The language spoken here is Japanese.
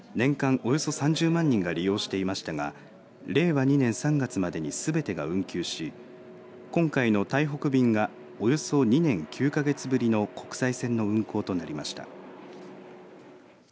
およそ３０万人が利用していましたが令和２年３月までにすべてが運休し今回の台北便がおよそ２年９か月ぶりの国際線の運航となりました。